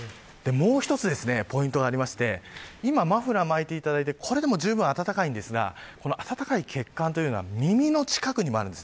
もう一つポイントがあって今、マフラーを巻いていただいてこれでもじゅうぶん暖かいのですが暖かい血管は耳の近くにもあります。